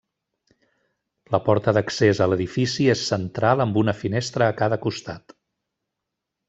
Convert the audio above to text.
La porta d'accés a l'edifici és central amb una finestra a cada costat.